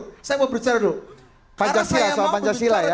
karena saya mau bicara garis batasnya